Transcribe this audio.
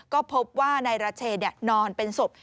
ก็พบว่านายราเชนนอนเป็นศพ